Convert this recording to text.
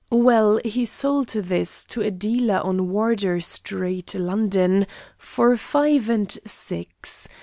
Well, he sold this to a dealer on Wardour Street, London, for five and six.